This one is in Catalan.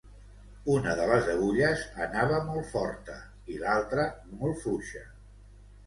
Una de les agulles anava molt forta i l'altra molt fluixa